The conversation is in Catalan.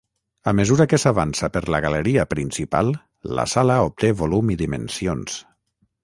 A mesura que s'avança per la galeria principal la sala obté volum i dimensions.